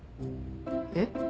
えっ。